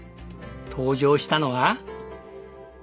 登場したのは。